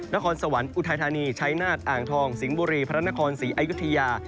นครสวรรค์อุทัยธานีชัยนาฏอ่างทองสิงห์บุรีพระนครศรีอายุทยา